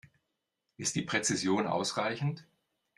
Ist die Präzision ausreichend?